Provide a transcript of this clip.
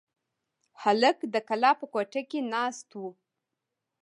هلک د کلا په کوټه کې ناست و.